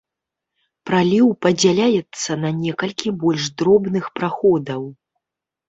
Праліў падзяляецца на некалькі больш дробных праходаў.